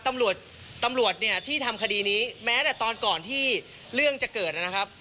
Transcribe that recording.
ตำรวจตำรวจเนี่ยที่ทำคดีนี้แม้แต่ตอนก่อนที่เรื่องจะเกิดนะครับ